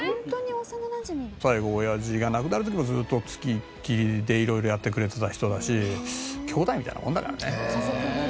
最後おやじが亡くなる時もずっと付きっきりで色々やってくれてた人だし兄弟みたいなもんだからね。